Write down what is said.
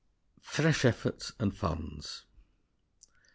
_Fresh Efforts and Funds.